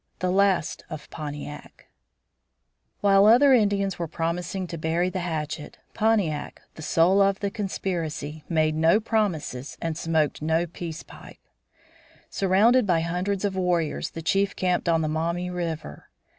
XIII. THE LAST OF PONTIAC While other Indians were promising to bury the hatchet, Pontiac, the soul of the conspiracy, made no promises and smoked no peace pipe. Surrounded by hundreds of warriors the chief camped on the Maumee River.